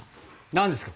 何ですか？